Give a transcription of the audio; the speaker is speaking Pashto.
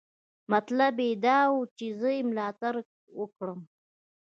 مطلب یې دا و چې زه یې ملاتړ وکړم.